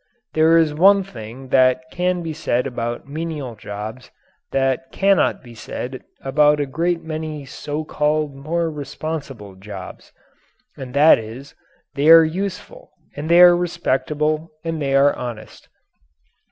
There is one thing that can be said about menial jobs that cannot be said about a great many so called more responsible jobs, and that is, they are useful and they are respectable and they are honest.